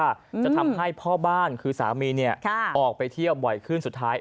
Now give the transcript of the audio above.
จะทำให้พ่อบ้านคือสามีเนี่ยออกไปเที่ยวบ่อยขึ้นสุดท้าย